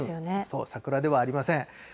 そう、桜ではありません。